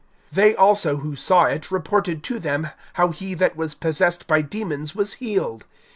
(36)They also who saw it reported to them how he that was possessed by demons was healed.